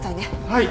はい。